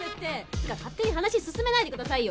つうか勝手に話進めないでくださいよ！